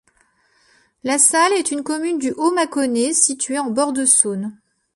La Salle est une commune du Haut-Mâconnais, située en bords de Saône.